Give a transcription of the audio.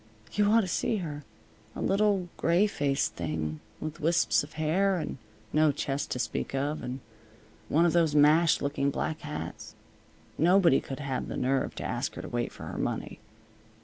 You ought to see her! A little, gray faced thing, with wisps of hair, and no chest to speak of, and one of those mashed looking black hats. Nobody could have the nerve to ask her to wait for her money.